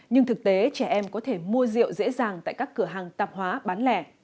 nhưng thực tế trẻ em có thể mua rượu dễ dàng tại các cửa hàng tạp hóa bán lẻ